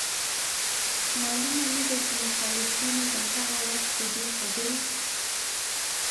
معلومه نه ده چي مخالفينو به هغه وخت په دې خبري